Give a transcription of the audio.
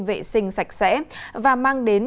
vệ sinh sạch sẽ và mang đến